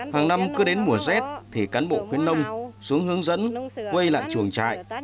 hàng năm cứ đến mùa rét thì cán bộ khuyến nông xuống hướng dẫn quay lại chuồng trại